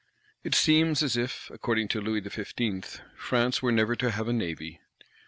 It seems as if, according to Louis XV., "France were never to have a Navy."